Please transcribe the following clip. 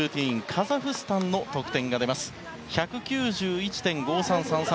カザフスタンの得点１９１．５３３３。